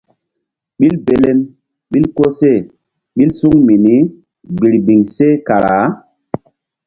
Ɓil belem ɓil koseh ɓil suŋ mini birbiŋ seh kara.